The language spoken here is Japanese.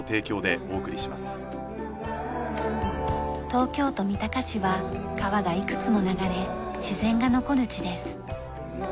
東京都三鷹市は川がいくつも流れ自然が残る地です。